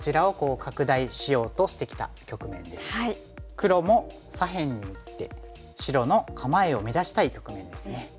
黒も左辺に打って白の構えを乱したい局面ですね。